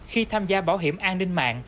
khi tham gia bảo hiểm an ninh mạng